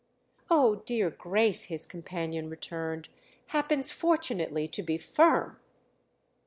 "Oh, dear Grace," his companion returned, "happens fortunately to be firm!"